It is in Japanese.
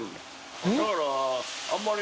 ┐叩だからあんまり。